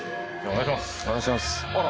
お願いします。